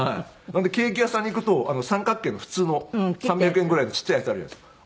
ケーキ屋さんに行くと三角形の普通の３００円ぐらいのちっちゃいやつあるじゃないですか。